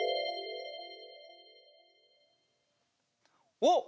おっ！